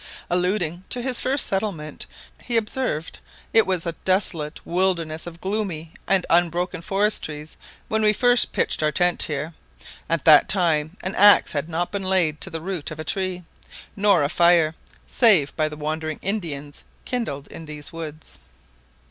Alluding to his first settlement, he observed, "it was a desolate wilderness of gloomy and unbroken forest trees when we first pitched our tent here: at that time an axe had not been laid to the root of a tree, nor a fire, save by the wandering Indians, kindled in these woods.